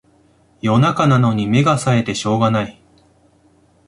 夜中なのに目がさえてしょうがない